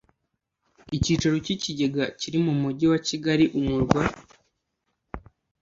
Icyicaro cy ikigega kiri mu mujyi wa kigali umurwa